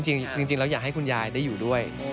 จริงแล้วอยากให้คุณยายได้อยู่ด้วย